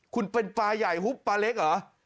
คุณเป็นปลาใหญ่ฮุบปลาเล็กเหรอ